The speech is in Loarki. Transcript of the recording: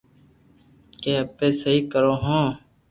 ڪي اپي سھي ڪرو ھون